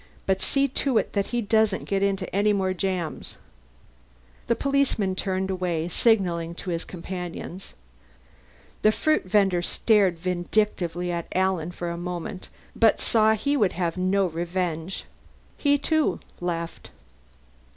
But see to it that he doesn't get into any more jams." The policeman turned away, signalling to his companions. The fruit vender stared vindictively at Alan for a moment, but saw he would have no revenge. He, too, left.